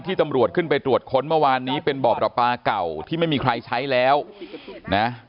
ตำรวจขึ้นไปตรวจค้นเมื่อวานนี้เป็นบ่อประปาเก่าที่ไม่มีใครใช้แล้วนะ